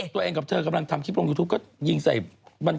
ตัวเองกับเธอกำลังทำคลิปลงยูทูปก็ยิงใส่